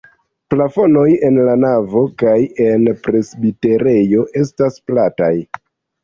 Plafonoj en la navo kaj en presbiterejo estas plataj.